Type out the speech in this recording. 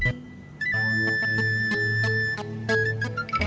ya aku mau